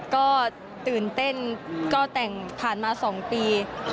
ก็ตื่นเต้นก็แต่งผ่านมา๒ปี